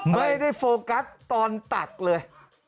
ไม่ได้โฟกัสตอนตักเลย